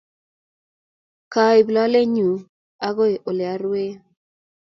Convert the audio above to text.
kyaib lolenyu agoi olarue